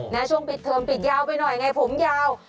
ช่วงปิดเทอมปิดยาวไปหน่อยไงผมยาว